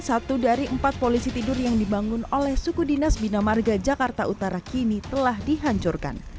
satu dari empat polisi tidur yang dibangun oleh suku dinas bina marga jakarta utara kini telah dihancurkan